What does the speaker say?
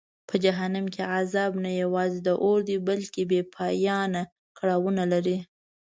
په جهنم کې عذاب نه یوازې د اور دی بلکه بېپایانه کړاوونه لري.